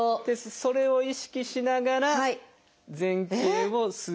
それを意識しながら前傾を数回繰り返すと。